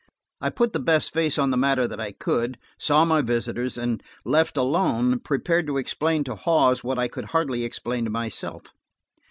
I put the best face on the matter that I could, saw my visitors, and left alone, prepared to explain to Hawes what I could hardly explain to myself.